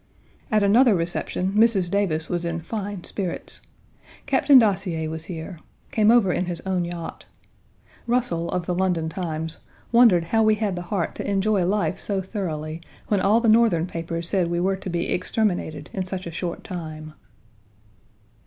At another reception, Mrs. Davis was in fine spirits. Captain Dacier was here. Came over in his own yacht. Russell, of The London Times, wondered how we had the heart to enjoy life so thoroughly when all the Northern papers said we were to be exterminated in such a short time.